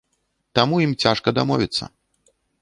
Таму ім цяжка дамовіцца.